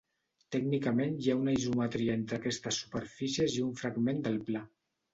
Tècnicament hi ha una isometria entre aquestes superfícies i un fragment del pla.